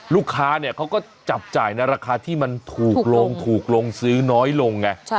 ลูกค้าเนี่ยเขาก็จับจ่ายในราคาที่มันถูกลงถูกลงซื้อน้อยลงไง